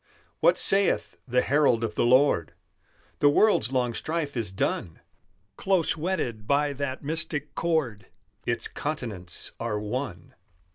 What saith the herald of the Lord? "The world's long strife is done; Close wedded by that mystic cord, Its continents are one.